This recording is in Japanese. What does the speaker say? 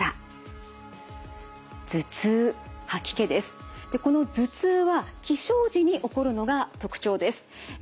この頭痛は起床時に起こるのが特徴です。